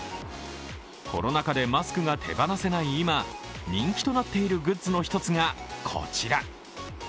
コロナ禍でマスクが手放せない今、人気となっているグッズの一つがこちら。